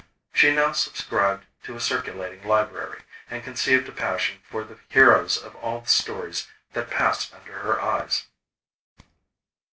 She now subscribed to a circulating library, and conceived a passion for the heroes of all the stories that passed under her eyes.